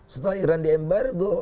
setelah iran di embargo